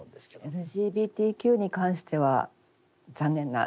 ＬＧＢＴＱに関しては残念な状態ですね。